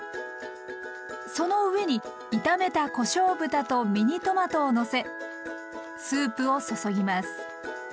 その上に炒めたこしょう豚とミニトマトをのせスープを注ぎます。